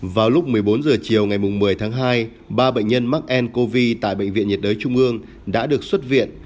vào lúc một mươi bốn h chiều ngày một mươi tháng hai ba bệnh nhân mắc ncov tại bệnh viện nhiệt đới trung ương đã được xuất viện